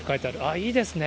いいですね。